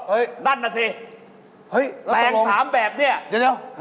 เออนั่นน่ะสิแต่งสามแบบนี่เดี๋ยว